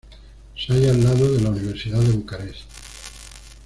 Se halla al lado de la Universidad de Bucarest.